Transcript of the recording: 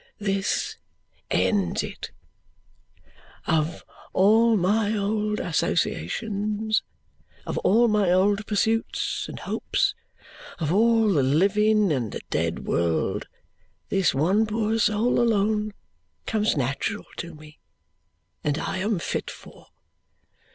"This ends it. Of all my old associations, of all my old pursuits and hopes, of all the living and the dead world, this one poor soul alone comes natural to me, and I am fit for.